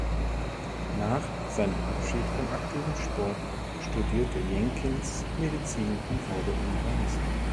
Nach seinem Abschied vom aktiven Sport studierte Jenkins Medizin und wurde Internist.